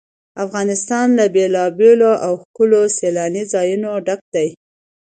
افغانستان له بېلابېلو او ښکلو سیلاني ځایونو ډک دی.